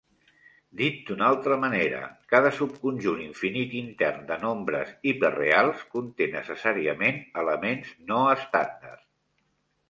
Dit d'una altra manera, cada subconjunt infinit intern de nombres hiperreals conté necessàriament elements no estàndard.